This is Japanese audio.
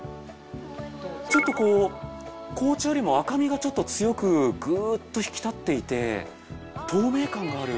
ちょっとこう紅茶よりも赤みがちょっと強くグーッと引き立っていて透明感がある。